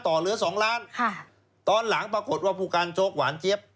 เหลือสองล้านค่ะตอนหลังปรากฏว่าผู้การโจ๊กหวานเจี๊ยบ